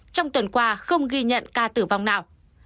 trong tuần qua không ghi nhận ca tử vong nào